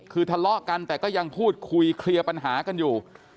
คือทะเลาะกันแต่ก็ยังพูดคุยเคลียร์ปัญหากันอยู่